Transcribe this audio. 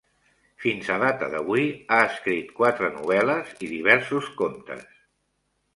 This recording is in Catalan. Fins a data d'avui, ha escrit quatre novel·les i diversos contes.